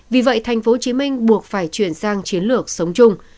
vì vậy tp hcm buộc phải chuyển sang chiến lược sống chung